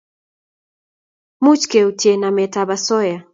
much keutye namet ab asoya